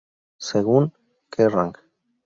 Según "Kerrang!